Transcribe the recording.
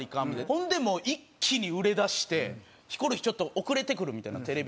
ほんでもう一気に売れだしてヒコロヒーちょっと遅れて来るみたいなテレビの番組で。